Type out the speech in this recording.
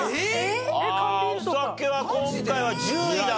お酒は今回は１０位だったか。